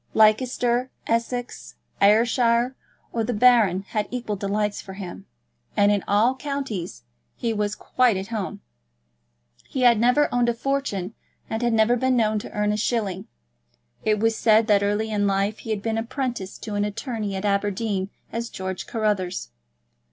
Leicester, Essex, Ayrshire, or the Baron had equal delights for him; and in all counties he was quite at home. He had never owned a fortune, and had never been known to earn a shilling. It was said that early in life he had been apprenticed to an attorney at Aberdeen as George Carruthers.